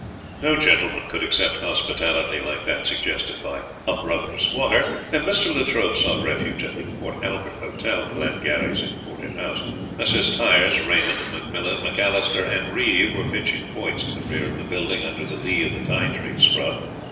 No gentleman could accept hospitality like that suggested by "a brother squatter," and Mr. Latrobe sought refuge at the Port Albert Hotel, Glengarry's imported house. Messrs. Tyers, Raymond, McMillan, Macalister, and Reeve were pitching quoits at the rear of the building under the lee of the ti tree scrub.